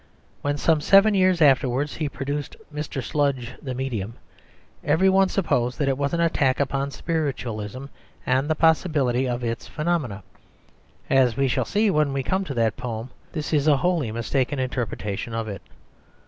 When some seven years afterwards he produced "Mr. Sludge the Medium," every one supposed that it was an attack upon spiritualism and the possibility of its phenomena. As we shall see when we come to that poem, this is a wholly mistaken interpretation of it.